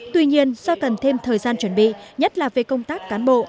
tuy nhiên do cần thêm thời gian chuẩn bị nhất là về công tác cán bộ